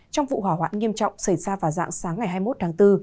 trong vụ hỏa hoạn nghiêm trọng xảy ra vào dạng sáng ngày hai mươi một tháng bốn